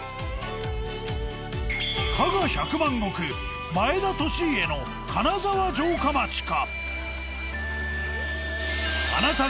加賀百万石前田利家の金沢城下町か？